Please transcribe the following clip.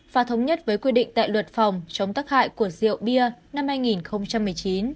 và thống nhất với quy định tại luật phòng chống tắc hại của rượu bia năm hai nghìn một mươi chín